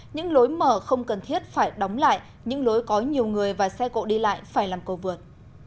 những lối mở không cần thiết phải đóng lại những lối có nhiều người và xe cộ đi lại phải làm cầu vượt